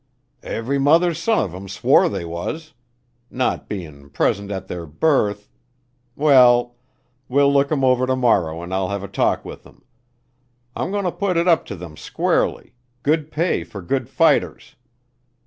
"Every mother's son of 'em swore they was. Not bein' present at their birth " "Well, we'll look 'em over to morrow and I'll have a talk with them. I'm going to put it up to them squarely good pay for good fighters.